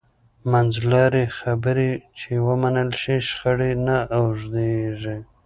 منځلارې خبرې چې ومنل شي، شخړې نه اوږدېږي.